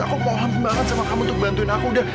aku mohon banget sama kamu untuk bantuin aku da